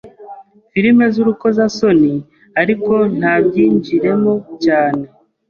filime z’urukozasoni ariko ntabyinjiremo cyane